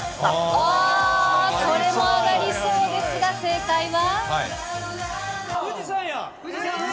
あー、それも上がりそうですが、正解は？